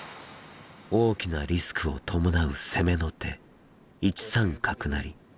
大きなリスクを伴う攻めの手１三角成。